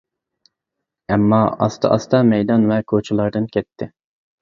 ئامما ئاستا-ئاستا مەيدان ۋە كوچىلاردىن كەتتى.